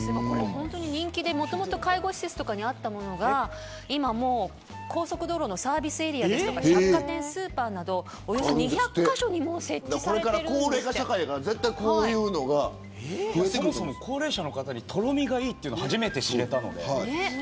これ本当に人気で、もともと介護施設とかにあったものが今もう高速道路のサービスエリアですとか百貨店、スーパーなどおよそ２００カ所にもこれから高齢化社会やからそもそも高齢者の方にとろみがいいっていうのは初めて知れたので。